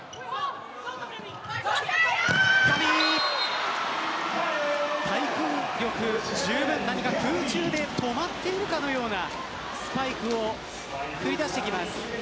ガビ、滞空力じゅうぶんのガビが空中で止まっているかのようなスパイクを繰り出してきます。